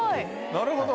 なるほど！